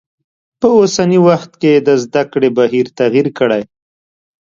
په اوسنی وخت کې د زده کړی بهیر تغیر کړی.